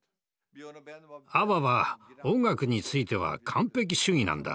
ＡＢＢＡは音楽については完璧主義なんだ。